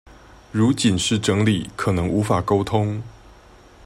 如僅是整理可能無法溝通